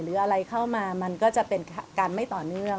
หรืออะไรเข้ามามันก็จะเป็นการไม่ต่อเนื่อง